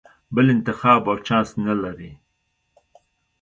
بل انتخاب او چانس نه لرې.